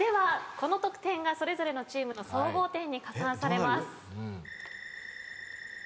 この得点がそれぞれのチームの総合点に加算されます。